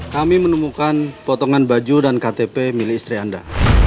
kami menemukan potongan baju dan ktp milik istri anda